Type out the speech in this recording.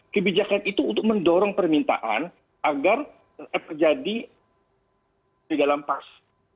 kebijakan itu untuk mendorong permintaan agar terjadi tidak lampas